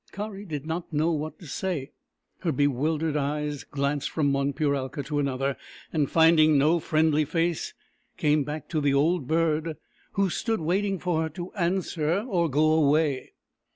Kari did not know what to say. Her bewil dered eyes glanced from one Puralka to another, and, finding no friendly face, came back to the old bird who stood waiting for her to answer or go away.